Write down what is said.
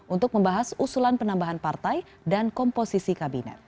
untuk membahas usulan penambahan partai dan komposisi kabinet